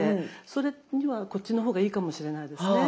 それにはこっちの方がいいかもしれないですね。